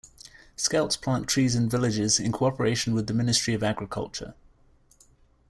Scouts plant trees in villages in cooperation with the Ministry of Agriculture.